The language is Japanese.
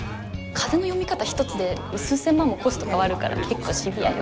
風の読み方一つで数千万もコスト変わるから結構シビアよ。